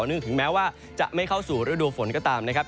ถึงแม้ว่าจะไม่เข้าสู่ฤดูฝนก็ตามนะครับ